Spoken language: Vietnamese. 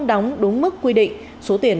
đóng đúng mức quy định số tiền